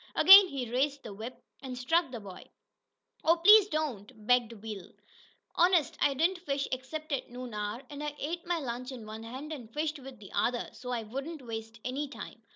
Again he raised the whip, and struck the boy. "Oh, please don't!" begged Will. "Honest I didn't fish except at noon hour, an' I ate my lunch in one hand, and fished with the other, so I wouldn't waste any time.